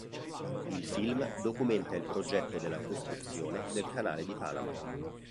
Il film documenta il progetto dalla costruzione del Canale di Panama.